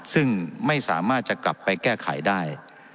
ซึ่งไม่สามารถจะกลับไปแก้ไขได้